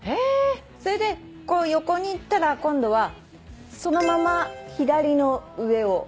それでこう横にいったら今度はそのまま左の上を。